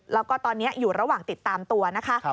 แล้วก็ตอนนี้อยู่ระหว่างติดตามตัวนะคะ